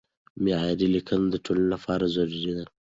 معیاري لیکنه د ټولنې لپاره ضروري ده.